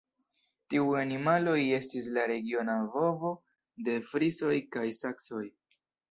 Tiuj animaloj estis la regiona bovo de frisoj kaj de saksoj.